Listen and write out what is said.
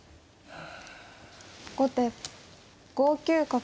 後手５九角。